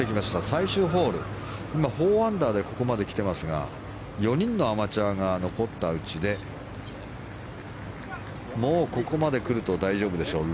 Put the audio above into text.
最終ホール、今４アンダーでここまで来てますが４人のアマチュアが残ったうちでもうここまで来ると大丈夫でしょう。